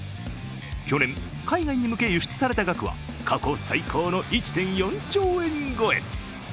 去年、海外に向け輸出された額は過去最高の１．４兆円超え。